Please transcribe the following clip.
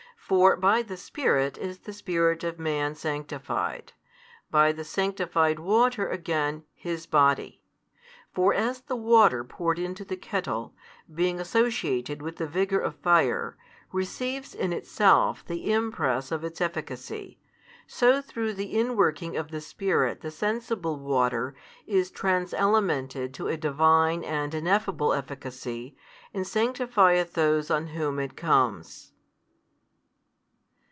For by the Spirit is the spirit of man sanctified, by the sanctified water again, his body. For as the water poured into the |169 kettle, being associated with the vigour of fire, receives in itself the impress of its efficacy, so through the inworking of the Spirit the sensible water is trans elemented to a Divine and ineffable efficacy, and sanctifieth those on whom it comes.